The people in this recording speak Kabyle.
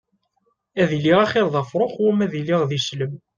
Ad iliɣ axiṛ d afṛux wama ad iliɣ d islem.